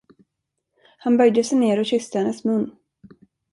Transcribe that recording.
Han böjde sig ner och kysste hennes mun.